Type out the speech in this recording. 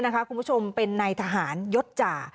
คุณผู้ชมเป็นนายทหารยศจ่า